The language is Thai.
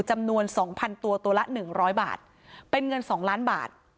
จำนวน๒๐๐ตัวตัวละ๑๐๐บาทเป็นเงิน๒ล้านบาท